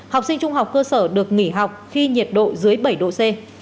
học sinh trung học cơ sở được nghỉ học khi nhiệt độ dưới bảy độ c